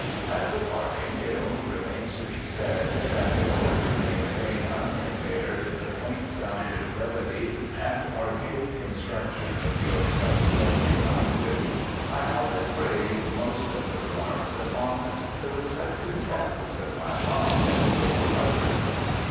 As a parting, it only remains to be said that, in order to maintain unimpaired the quaint sounding brevity and archaic construction of your prepossessing language, I have engraved most of the remarks upon the receptive tablets of my mind as they were uttered.